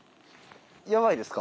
やばいですか？